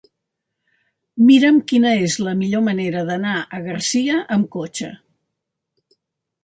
Mira'm quina és la millor manera d'anar a Garcia amb cotxe.